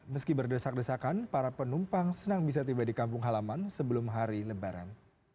meski berdesak desakan para penumpang senang bisa tiba di kampung halaman sebelum hari lebaran